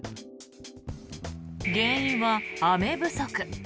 原因は雨不足。